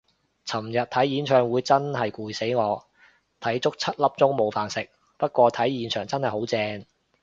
尋日睇演唱會真係攰死我，睇足七粒鐘冇飯食，不過睇現場真係好正